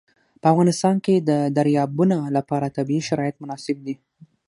په افغانستان کې د دریابونه لپاره طبیعي شرایط مناسب دي.